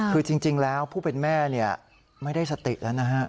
คือจริงแล้วผู้เป็นแม่ไม่ได้สติแล้วนะฮะ